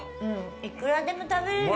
いくらでも食べれる。